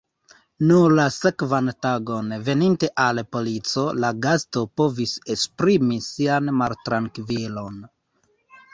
Nur la sekvan tagon, veninte al polico, la gasto povis esprimi sian maltrankvilon.